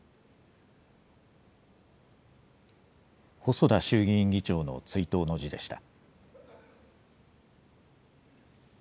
細田衆議院議長の追悼の辞でした。